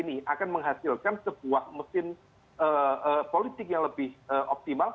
ini akan menghasilkan sebuah mesin politik yang lebih optimal